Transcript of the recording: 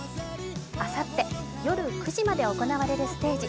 あさって夜９時まで行われるステージ。